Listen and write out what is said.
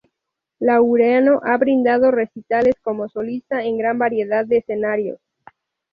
Laureano ha brindado recitales como solista en gran variedad de escenarios.